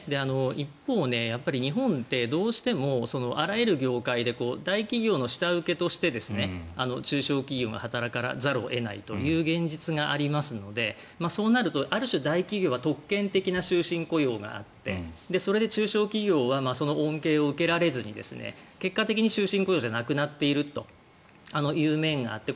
一方、日本ってどうしてもあらゆる業界で大企業の下請けとして中小企業も働かざるを得ないという状況がありますのでそうなるとある種、大企業は特権的な終身雇用があってそれで中小企業はその恩恵を受けられずに結果的に終身雇用じゃなくなっている面があって